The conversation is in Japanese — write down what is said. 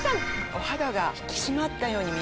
お肌が引き締まったように見えます。